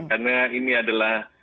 karena ini adalah